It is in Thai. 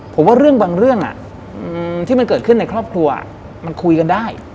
ผมว่าเรื่องบางเรื่องที่มันเกิดขึ้นในครอบครัวมันคุยกันได้